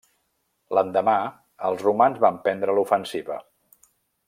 L'endemà, els romans van prendre l'ofensiva.